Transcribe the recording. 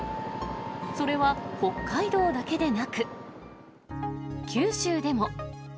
それは北海道だけでなく、九州でも。